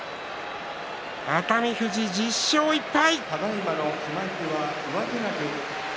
熱海富士、１０勝１敗。